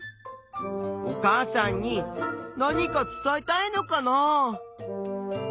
お母さんに何か伝えたいのかな。